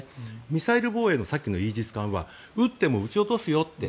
ミサイル防衛のさっきのイージス艦は撃っても撃ち落とすよって。